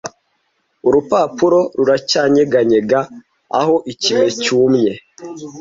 urupapuro ruracyanyeganyega aho ikime cyumye